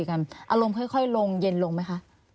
อารมณ์ค่อยลงเย็นลงไหมคะ